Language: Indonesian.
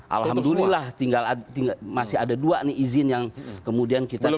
alhamdulillah masih ada dua nih izin yang kemudian kita